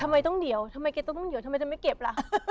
ทำไมต้องเดี๋ยวทำไมจะไม่เก็บละ